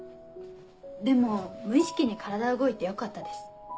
でも無意識に体動いてよかったです。